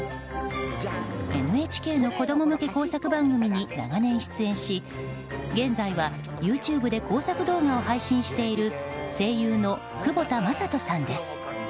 ＮＨＫの子供向け工作番組に長年出演し現在はＹｏｕＴｕｂｅで工作動画を配信している声優の久保田雅人さんです。